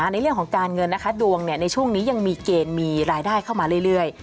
ในเรื่องของการเงินนะคะดวงในช่วงนี้ยังมีเกณฑ์มีรายได้เข้ามาเรื่อย